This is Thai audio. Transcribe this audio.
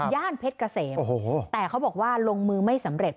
เพชรเกษมแต่เขาบอกว่าลงมือไม่สำเร็จ